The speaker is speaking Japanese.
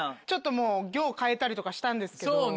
ちょっともう行変えたりとかしたんですけど。